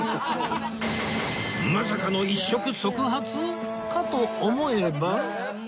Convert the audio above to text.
まさかの一触即発！？かと思えば